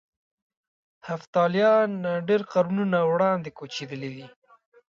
هفتالیان ډېر قرنونه وړاندې کوچېدلي دي.